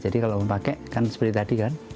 jadi kalau mau pakai kan seperti tadi kan